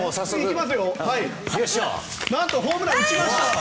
何と、ホームラン打ちました！